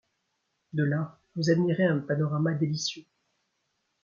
De là vous admirez un panorama délicieux.